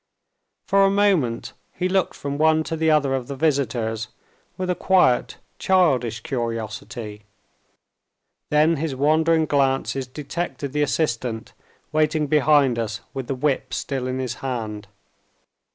For a moment, he looked from one to the other of the visitors with a quiet childish curiosity. Then his wandering glances detected the assistant, waiting behind us with the whip still in his hand.